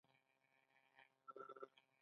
دا تخته ګانې د فرنیچر سینګار و